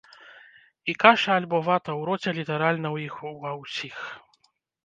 І каша альбо вата ў роце літаральна ў іх ва ўсіх.